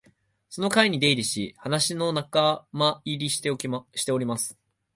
その会に出入りし、話の仲間入りをしております